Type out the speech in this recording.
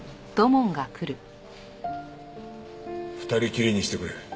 ２人きりにしてくれ。